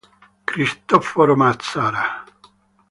Cristoforo Mazara